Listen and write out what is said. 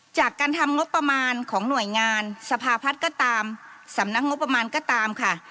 จากการทำงบประมาณของหน่วยงานสภาพัฒน์ก็ตามสำนักงบประมาณก็ตามค่ะ